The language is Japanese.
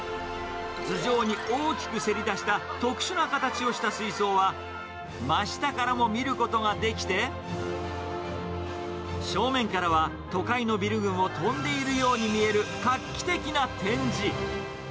頭上に大きくせり出した特殊な形をした水槽は、真下からも見ることができて、正面からは都会のビル群を飛んでいるように見える、画期的な展示。